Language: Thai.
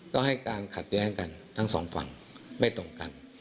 ก็ให้การขัดแย้งกันทั้งสองฝั่งไม่ตรงกัน